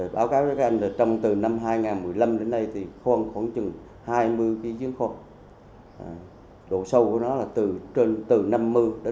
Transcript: báo cáo cho các anh là từ năm hai nghìn một mươi năm đến nay khoan khoảng hai mươi nghi dưỡng khoan độ sâu của nó là từ năm mươi đến một trăm chín mươi bảy m